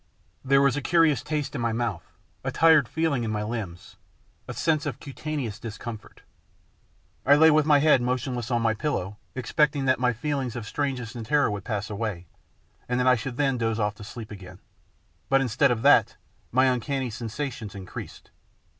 There was a curious taste in my mouth, a tired feel ing in my limbs, a sense of cutaneous discomfort. I lay with my head motionless on my pillow, expect ing that my feeling of strangeness and terror would probably pass away, and that I should then doze off again to sleep. But instead of that, my uncanny sensations increased.